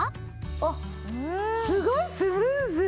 あっすごいスムーズ！